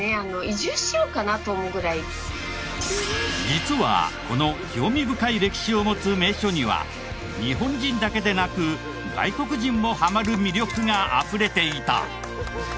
実はこの興味深い歴史を持つ名所には日本人だけでなく外国人もハマる魅力があふれていた。